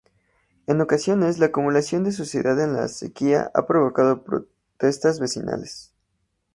En ocasiones, la acumulación de suciedad en la acequia ha provocado protestas vecinales.